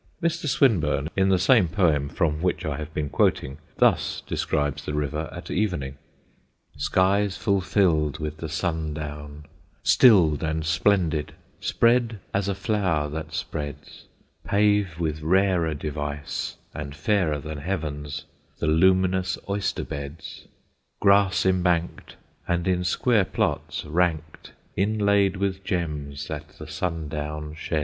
Mr. Swinburne, in the same poem from which I have been quoting, thus describes the river at evening: Skies fulfilled with the sundown, stilled and splendid, spread as a flower that spreads, Pave with rarer device and fairer than heaven's the luminous oyster beds, Grass embanked, and in square plots ranked, inlaid with gems that the sundown sheds.